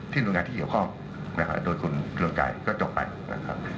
ที่โรงงานที่เกี่ยวข้อมนะฮะโดยคุณร่วมกายก็จบไปนะครับ